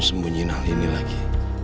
sembunyiin hal ini lagi